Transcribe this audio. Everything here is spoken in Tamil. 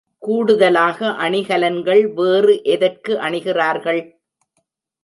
கூடுதலாக அணிகலன்கள் வேறு எதற்கு அணிகிறார்கள்?